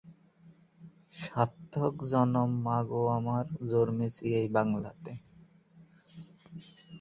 তিনি দ্রুত কর্পোরাল পদে উন্নীত হন।